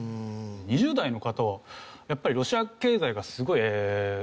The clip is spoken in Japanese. ２０代の方はやっぱりロシア経済がすごいソ連崩壊後